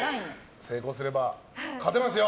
成功すれば勝てますよ。